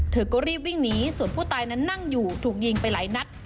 เธอก็รีบวิ่งหนีส่วนผู้ตายนั้นนั่งอยู่ถูกยิงไปหลายนัด